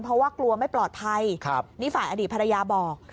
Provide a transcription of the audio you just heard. เพราะว่ากลัวไม่ปลอดภัยนี่ฝ่ายอดีตภรรยาบอก